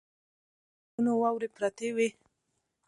پر غرونو واورې پرتې وې.